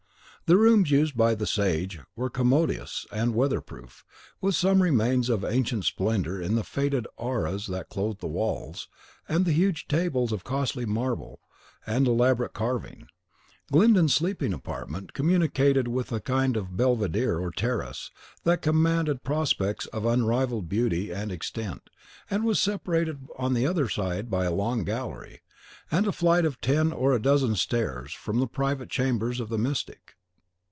The rooms used by the sage were commodious and weather proof, with some remains of ancient splendour in the faded arras that clothed the walls, and the huge tables of costly marble and elaborate carving. Glyndon's sleeping apartment communicated with a kind of belvedere, or terrace, that commanded prospects of unrivalled beauty and extent, and was separated on the other side by a long gallery, and a flight of ten or a dozen stairs, from the private chambers of the mystic.